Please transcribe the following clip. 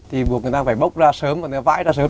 thì buộc người ta phải bốc ra sớm và nó vãi ra sớm